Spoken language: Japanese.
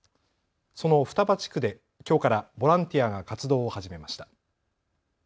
その双葉地区できょうからボランティアが活動を始めました。